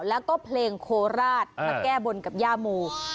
แล้วก็เพลงโคราชมาแก้บนกับย่าโม